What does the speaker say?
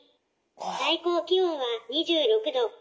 最高気温は２６度。